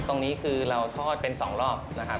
ตรงนี้คือเราทอดเป็น๒รอบนะครับ